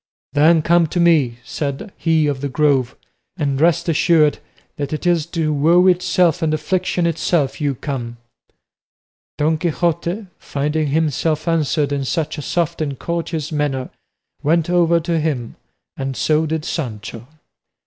"Then come to me," said he of the Grove, "and rest assured that it is to woe itself and affliction itself you come." Don Quixote, finding himself answered in such a soft and courteous manner, went over to him, and so did Sancho.